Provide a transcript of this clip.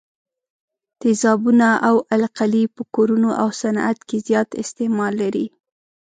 تیزابونه او القلي په کورونو او صنعت کې زیات استعمال لري.